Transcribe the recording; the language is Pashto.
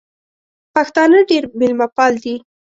پښتانه ډېر مېلمه پال دي